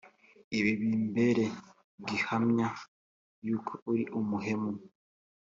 ibi bimbereye gihamya yuko ari umuhemu